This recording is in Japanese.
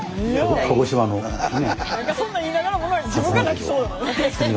何かそんな言いながらも自分が泣きそうなの。